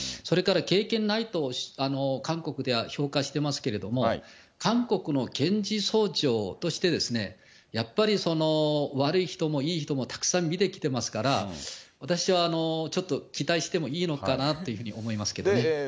それから、経験ないと韓国では評価してますけれども、韓国の検事総長として、やっぱり、悪い人もいい人もたくさん見てきてますから、私はちょっと期待してもいいのかなというふうに思いますけどね。